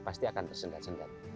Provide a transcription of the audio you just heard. pasti akan tersendat sendat